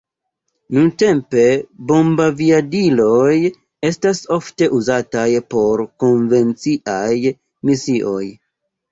Nuntempe bombaviadiloj estas ofte uzataj por konvenciaj misioj.